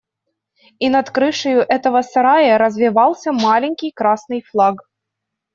И над крышею этого сарая развевался маленький красный флаг.